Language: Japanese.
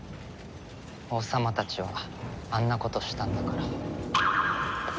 王様たちはあんなことしたんだから。